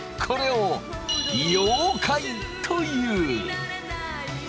これを溶解という。